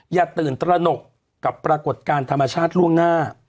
อย่าตื่นตระหนกกับปรากฏการณ์ธรรมชาติล่วงหน้า